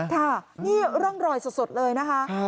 ค่ะนี่ร่องรอยสดเลยนะคะ